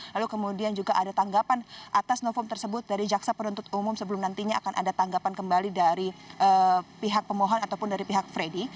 lalu kemudian juga ada tanggapan atas novum tersebut dari jaksa penuntut umum sebelum nantinya akan ada tanggapan kembali dari pihak pemohon ataupun dari pihak freddy